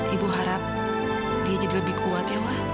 ibu harap dia jadi lebih kuat ya wah